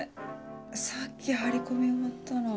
さっき張り込み終わったの。